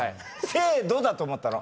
「製度」だと思ったの。